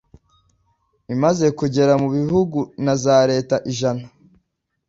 imaze kugera mu bihugu na za Leta ijana